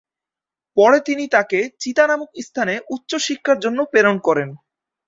পরে তিনি তাকে চিতা নামক স্থানে উচ্চশিক্ষার জন্য প্রেরণ করেন।